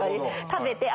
食べてあ